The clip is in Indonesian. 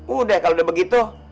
udah kalo udah begitu